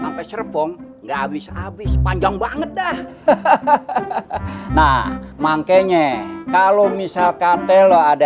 sampai serepong gak bisa habis panjang banget dah hahaha nah makanya kalau misalkan tele ada